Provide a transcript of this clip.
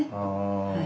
はい。